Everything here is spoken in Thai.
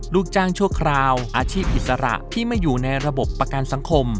ลูกจ้างชั่วคราวอาชีพอิสระที่ไม่อยู่ในระบบประกันสังคม